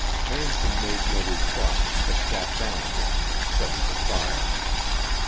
Manson made no reply, but sat down again and studied the fire.